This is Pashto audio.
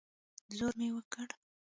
زور مې وکړ.